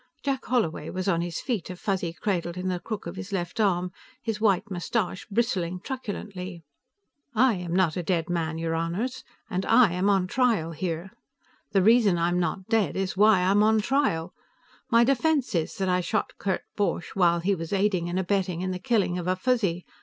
Jack Holloway was on his feet, a Fuzzy cradled in the crook of his left arm, his white mustache bristling truculently. "I am not a dead man, your Honors, and I am on trial here. The reason I'm not dead is why I am on trial. My defense is that I shot Kurt Borch while he was aiding and abetting in the killing of a Fuzzy.